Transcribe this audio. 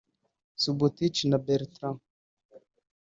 Subotić) na Bartra